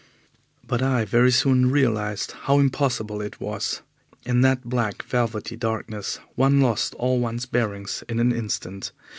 But I very soon realized how impossible it was. In that black, velvety darkness one lost all one's bearings in an instant.